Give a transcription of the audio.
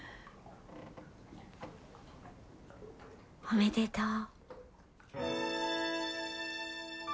おめでとう。